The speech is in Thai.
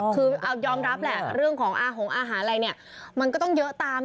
คือเอายอมรับแหละเรื่องของอาหารอะไรเนี่ยมันก็ต้องเยอะตาม